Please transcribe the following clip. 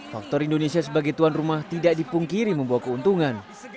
faktor indonesia sebagai tuan rumah tidak dipungkiri membawa keuntungan